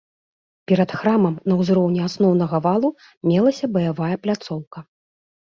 Перад храмам на ўзроўні асноўнага валу мелася баявая пляцоўка.